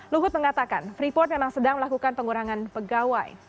luhut mengatakan freeport memang sedang melakukan pengurangan pegawai